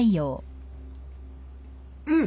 うん！